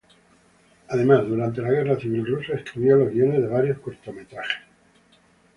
Además, durante la Guerra Civil Rusa escribió los guiones de varios cortometrajes.